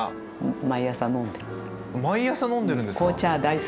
毎朝飲んでるんですか？